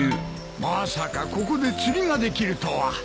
まさかここで釣りができるとは。